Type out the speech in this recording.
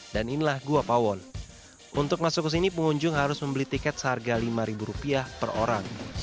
inilah gua pawon untuk masuk ke sini pengunjung harus membeli tiket seharga lima rupiah per orang